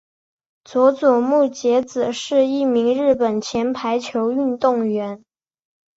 佐佐木节子是一名日本前排球运动员。